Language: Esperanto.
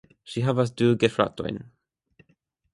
Ŝi havas du gefratojn.